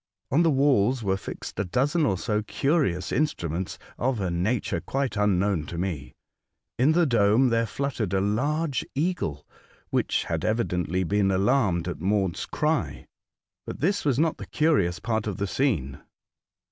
On the walls were fixed a dozen or so curious instruments of a nature quite unknown to me. In the dome there fluttered a large Jung frail. 203 t3agle, which had evidently been alarmed at Maud's cry. But this was not the curious part of the scene.